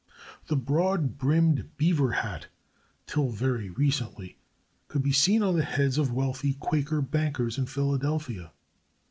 The broad brimmed beaver hat, till very recently, could be seen on the heads of wealthy Quaker bankers in Philadelphia.